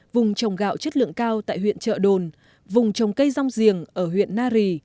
vùng trồng gạo chất lượng cao tại huyện trợ đồn vùng trồng cây rong giềng ở huyện na rì